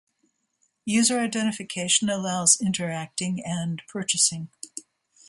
User identification allows interacting and purchasing.